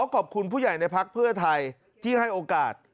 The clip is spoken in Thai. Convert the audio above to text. ขอบคุณผู้ใหญ่ในพักเพื่อไทยที่ให้โอกาส